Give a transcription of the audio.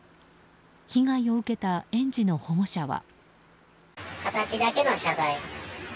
被害を受けた園児の保護者は。